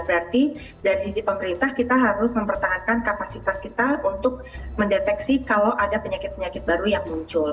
berarti dari sisi pemerintah kita harus mempertahankan kapasitas kita untuk mendeteksi kalau ada penyakit penyakit baru yang muncul